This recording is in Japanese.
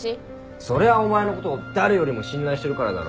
そりゃあお前のことを誰よりも信頼してるからだろ